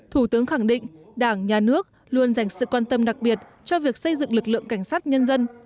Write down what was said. thủ tướng khẳng định đảng nhà nước luôn dành sự quan tâm đặc biệt cho việc xây dựng lực lượng cảnh sát nhân dân